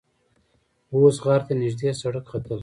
اوس غار ته نږدې سړک ختلی.